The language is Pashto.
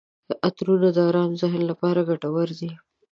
عطرونه د ارام ذهن لپاره ګټور دي.